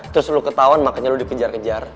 terus lo ketauan makanya lo dikejar kejar